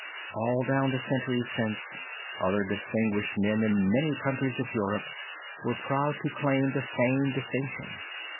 All down the centuries since, other distinguished men in many countries of Europe were proud to claim the same distinction.